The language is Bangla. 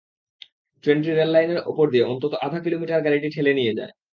ট্রেনটি রেললাইনের ওপর দিয়ে অন্তত আধা কিলোমিটার গাড়িটি ঠেলে নিয়ে যায়।